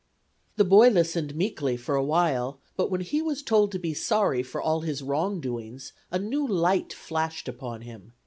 The boy listened meekly for a while, but when he was told to be sorry for all his wrong doing a new light flashed upon him.